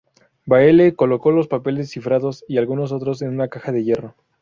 Beale colocó los papeles cifrados y algunos otros en una caja de hierro.